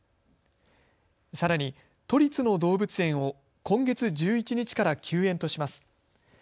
さらに都立の動物園を今月１１日から休園とします。